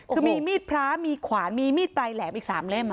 คือมีมีดพระมีขวานมีมีดปลายแหลมอีก๓เล่ม